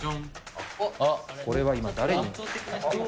あっこれは今誰に。